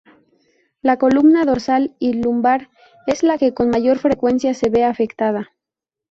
La columna dorsal y lumbar es la que con mayor frecuencia se ve afectada.